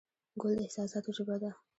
ګل د احساساتو ژبه ده.